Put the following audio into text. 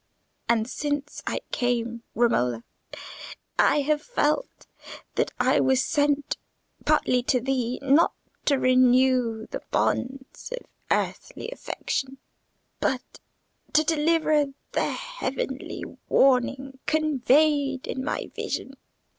And since I came, Romola, I have felt that I was sent partly to thee—not to renew the bonds of earthly affection, but to deliver the heavenly warning conveyed in a vision.